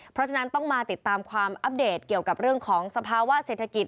เพราะฉะนั้นต้องมาติดตามความอัปเดตเกี่ยวกับเรื่องของสภาวะเศรษฐกิจ